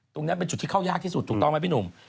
ตรงนี้เป็นจุดที่เข้ายากที่สุดถูกต้องไหมพี่หนุ่ม